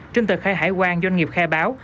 trên tờ khai hải quan doanh nghiệp khai báo